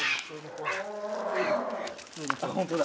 あっ、本当だ。